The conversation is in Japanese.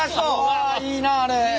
わいいなああれ。